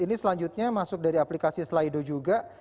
ini selanjutnya masuk dari aplikasi slido juga